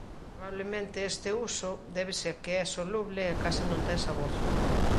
Probablemente este uso débese a que é soluble e case non ten sabor.